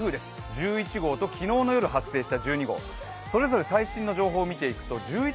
１１号と昨日の夜発生した